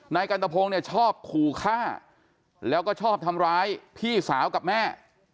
นายกันตะพงศ์เนี่ยชอบขู่ฆ่าแล้วก็ชอบทำร้ายพี่สาวกับแม่